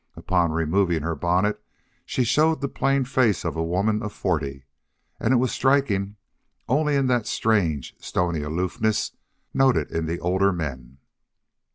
Upon removing her bonnet she showed the plain face of a woman of forty, and it was striking only in that strange, stony aloofness noted in the older men.